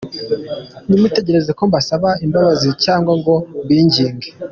Ntimutegereze ko mbasaba imbabazi cyangwa ngo mbinginge